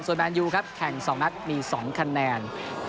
แมนยูครับแข่ง๒นัดมี๒คะแนน